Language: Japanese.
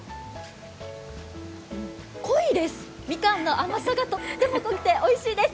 濃いです、みかんの甘さがとっても濃くておいしいです。